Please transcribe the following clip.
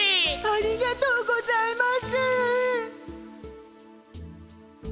ありがとうございます！